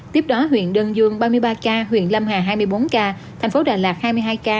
tiếp đó huyện đơn dương ba mươi ba ca huyện lâm hà hai mươi bốn ca thành phố đà lạt hai mươi hai ca